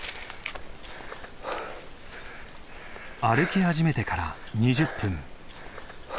歩き始めてから２０分。